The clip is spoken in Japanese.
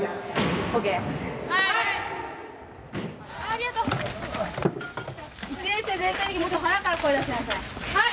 ありがとうはい！